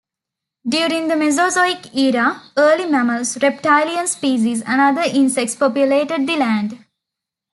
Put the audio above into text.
During The Mesozoic Era, early mammals, reptilian species, and other insects populated the land.